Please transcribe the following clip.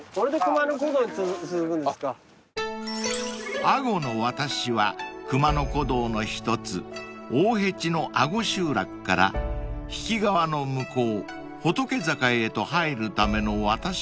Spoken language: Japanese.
［安居の渡しは熊野古道の一つ大辺路の安居集落から日置川の向こう仏坂へと入るための渡し舟］